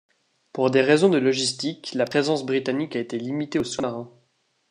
Pour des raisons de logistiques, la présence britannique a été limitée aux sous-marins.